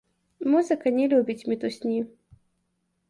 Музыка не любіць мітусні.